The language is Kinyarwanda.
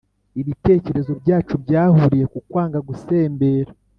ibitekerezo byacu byahurije ku kwanga gusembera.